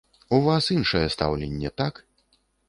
У вас іншае стаўленне, так?